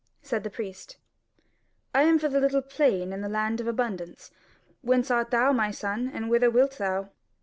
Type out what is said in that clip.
Said the Priest: "I am for the Little Plain and the Land of Abundance; whence art thou, my son, and whither wilt thou?"